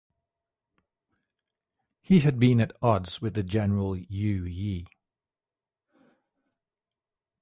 He had been at odds with the general Yue Yi.